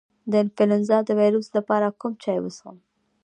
د انفلونزا د ویروس لپاره کوم چای وڅښم؟